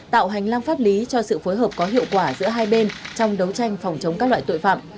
tạo hành lang pháp lý cho sự phối hợp có hiệu quả giữa hai bên trong đấu tranh phòng chống các loại tội phạm